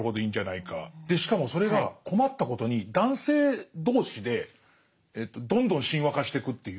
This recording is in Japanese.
でしかもそれが困ったことに男性同士でどんどん神話化してくっていう。